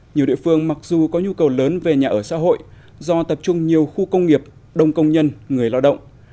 nhiều địa phương mặc dù có nhu cầu lớn về nhà ở xã hội do tập trung nhiều khu công nghiệp đông công nhân người lao động